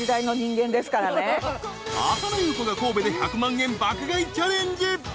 浅野ゆう子が神戸で１００万円爆買いチャレンジ。